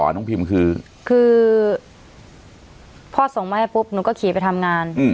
น้องพิมคือคือพ่อส่งมาให้ปุ๊บหนูก็ขี่ไปทำงาน